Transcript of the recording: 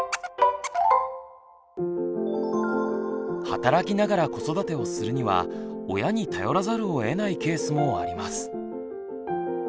働きながら子育てをするには親に頼らざるを得ないケースもあります。